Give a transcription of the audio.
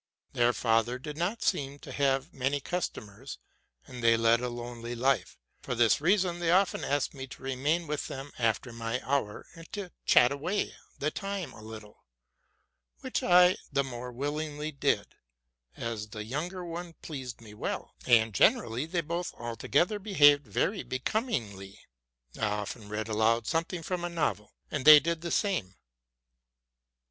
Their father did not seem to have many customers, and they led a lonely life. For this reason they often asked me to remain with them after my hour, and to chat away the time a little, which I the more willingly did, as the younger one pleased me well; and generally they both altogether behaved very becomingly. I often read aloud something from a novel, and they did the same.